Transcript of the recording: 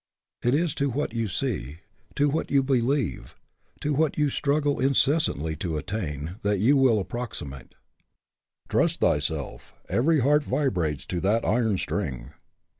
It is to what you see, to HE CAN WHO THINKS HE CAN 7 what you believe, to what you struggle inces santly to attain, that you will approximate. " Trust thyself ; every heart vibrates to that iron string."